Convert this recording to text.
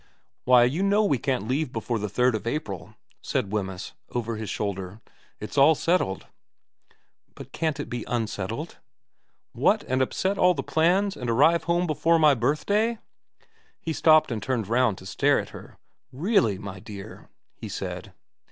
' Why, you know we can't leave before the 3rd of 156 VERA OT April,' said Wemyss, over his shoulder. ' It's all settled.' ' But can't it be unsettled ?'* What, and upset all the plans, and arrive home before my birthday ?' He stopped and turned round to stare at her. * Really, my dear ' he said.